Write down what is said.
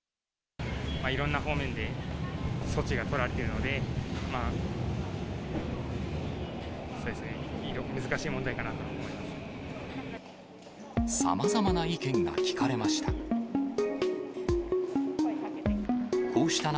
いろんな方面で措置が取られているので、そうですね、さまざまな意見が聞かれました。